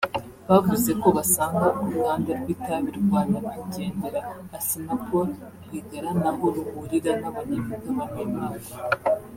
Bavuze ko basanga uruganda rw’itabi rwa Nykwigendera Assinapol Rwigara ntaho ruhurira n’abanyamigabane barwo